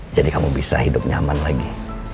jadi kamu bisa hidup nyaman lagi